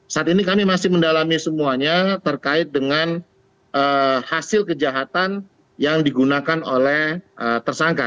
saat ini kami masih mendalami semuanya terkait dengan hasil kejahatan yang digunakan oleh tersangka